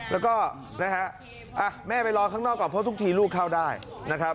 แล้วก็นะฮะแม่ไปรอข้างนอกก่อนเพราะทุกทีลูกเข้าได้นะครับ